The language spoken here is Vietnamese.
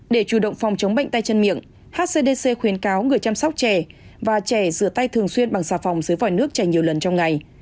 để chủ động phòng chống bệnh tay chân miệng hcdc khuyến cáo người chăm sóc trẻ và trẻ rửa tay thường xuyên bằng xà phòng dưới vòi nước chảy nhiều lần trong ngày